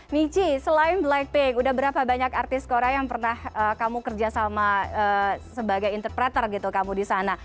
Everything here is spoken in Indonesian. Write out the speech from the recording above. michi selain blackpink udah berapa banyak artis korea yang pernah kamu kerja sama sebagai interpreter gitu kamu di sana